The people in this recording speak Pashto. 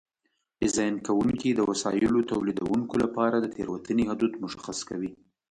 ډیزاین کوونکي د وسایلو تولیدوونکو لپاره د تېروتنې حدود مشخص کوي.